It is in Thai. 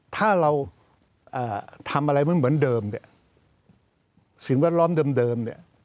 ถ้าเราทำอะไรเหมือนเดิมสินวัดล้อมเดิม